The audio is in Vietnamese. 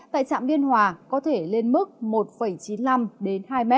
tại trạm điên hòa có thể lên mức một chín mươi năm hai m